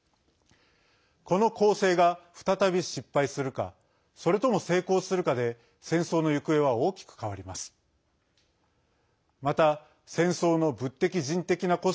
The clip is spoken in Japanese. この攻勢が、再び失敗するかそれとも成功するかで戦争の行方は大きく変わります。